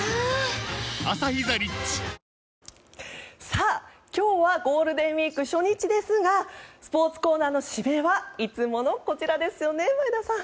さあ、今日はゴールデンウィーク初日ですがスポーツコーナーの締めはいつものこちらですよね？